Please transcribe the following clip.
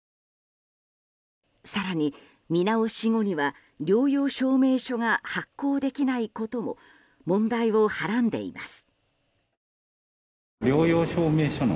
更に、見直し後には療養証明書が発行できないことも問題をはらんでいます。